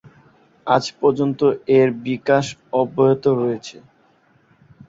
আজ পর্যন্ত এর বিকাশ অব্যাহত রয়েছে।